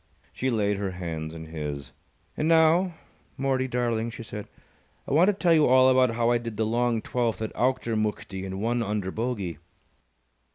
_ She laid her hands in his. "And now, Mortie, darling," she said, "I want to tell you all about how I did the long twelfth at Auchtermuchtie in one under bogey."